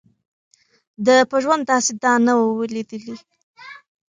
ده په ژوند داسي دانه نه وه لیدلې